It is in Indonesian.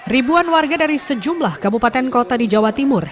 ribuan warga dari sejumlah kabupaten kota di jawa timur